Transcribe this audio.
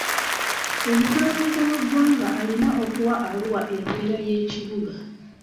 Omukulembeze w'eggwanga alina okuwa Arua embeera y'ekibuga.